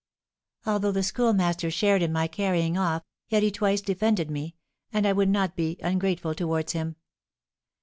"Although the Schoolmaster shared in my carrying off, yet he twice defended me, and I would not be ungrateful towards him."